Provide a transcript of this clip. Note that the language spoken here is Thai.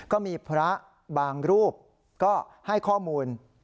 ก็มีพระบางรูปก็ให้ข้อมูล